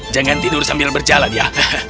jangan tidur sambil berjalan ya